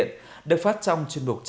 nơi đó có những người con sinh ra